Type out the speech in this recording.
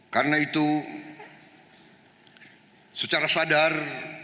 karena itu secara sadar